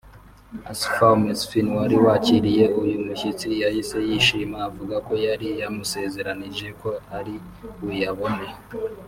Asfaw Mesfin wari wakiriye uyu mushyitsi yahise yishima avuga ko yari yamusezeranije ko ari buyabone